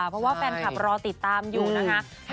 เพราะว่าแฟนคลับรอติดตามอยู่นะคะ